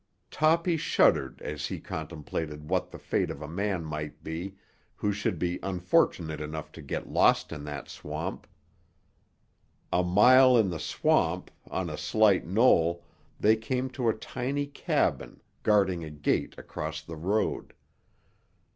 Toppy shuddered as he contemplated what the fate of a man might be who should be unfortunate enough to get lost in that swamp. A mile in the swamp, on a slight knoll, they came to a tiny cabin guarding a gate across the road.